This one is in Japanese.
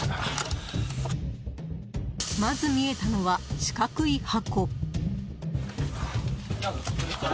まず見えたのは、四角い箱。